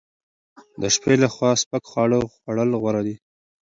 د شپې لخوا سپک خواړه خوړل غوره دي.